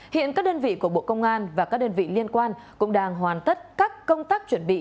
hiện các đơn vị của bộ công an và các đơn vị liên quan cũng đang hoàn tất các công tác chuẩn bị